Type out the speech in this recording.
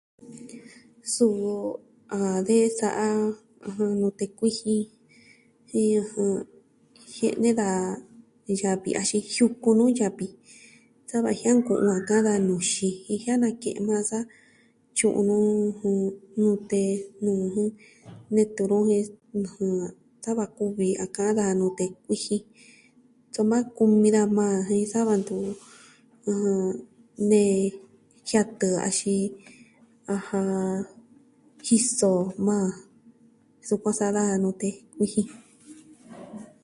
Suu a de sa'a, ɨjɨn, nute kuijin. Jie'ne daja yavi axin jiukun nuu yavi sa va jianku'un a ka'an daja nuxi jen jia'anake'en maa sa tyu'un nu nute nuu jun, netu nu jen, ɨjɨn, a ka'an daja nute kuijin. Soma kumi daja majan jen sa va ntu nee jen jiatɨ jɨ axin, ɨjɨn, jiso majan sukuan sa'a daja nute kuijin.